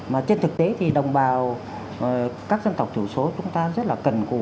mà trên thực tế thì đồng bào các dân tộc thiểu số chúng ta rất là cần cù